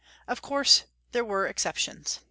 Of course there were exceptions.